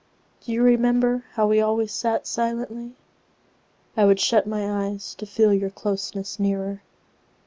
Do you remember how we always sat silently?I would shut my eyes to feel your closeness nearer.